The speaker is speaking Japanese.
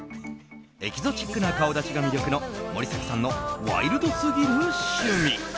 エキゾチックな顔立ちが魅力の森崎さんのワイルドすぎる趣味。